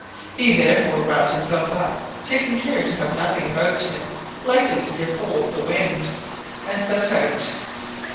He therefore wrapped himself up, taking care to have nothing about him likely to give hold the wind, and set out.